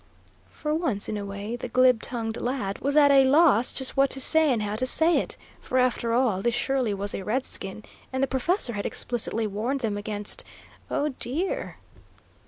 For once in a way the glib tongued lad was at a loss just what to say and how to say it. For, after all, this surely was a redskin, and the professor had explicitly warned them against oh, dear!